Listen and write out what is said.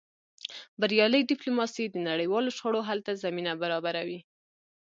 بریالۍ ډیپلوماسي د نړیوالو شخړو حل ته زمینه برابروي.